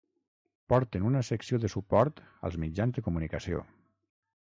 Porten una secció de suport als mitjans de comunicació.